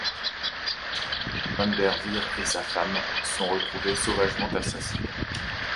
Van der Veer et sa femme sont retrouvés sauvagement assassinés.